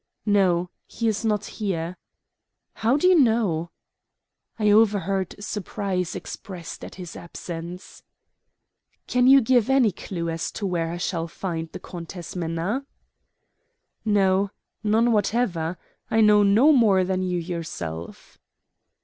"No, he is not here." "How do you know?" "I overheard surprise expressed at his absence." "Can you give any clew as to where I shall find the Countess Minna?" "No, none whatever. I know no more than you yourself."